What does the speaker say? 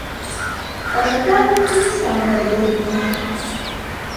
Пажадана не самае дурное.